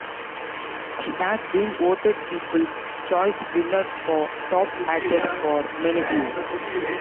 She has been voted people's choice winner for top actress for many years.